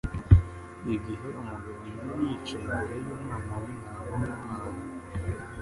Igihe umugambanyi yari yicaye imbere y'Umwana w'intama w'Imana,